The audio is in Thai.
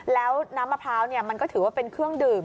แล้วน้ำมะพร้าวมันก็ถือว่าเป็นเครื่องดื่ม